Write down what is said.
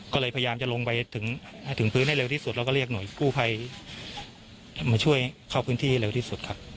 ก็เลยพยายามจะลงไปถึงพื้นให้เร็วที่สุดแล้วก็เรียกหน่วยกู้ภัยมาช่วยเข้าพื้นที่ให้เร็วที่สุดครับ